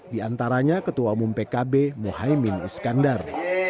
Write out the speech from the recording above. di antaranya ketua umum pkb mohaimin iskandar